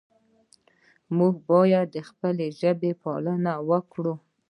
موږ باید د خپلې ژبې پالنه وکړو.